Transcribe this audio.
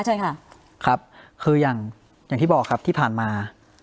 เชิญค่ะครับคืออย่างอย่างที่บอกครับที่ผ่านมา